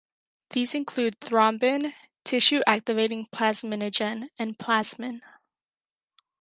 These include thrombin, tissue activating plasminogen and plasmin.